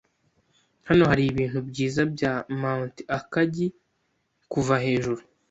Hano haribintu byiza bya Mt. Akagi kuva hejuru.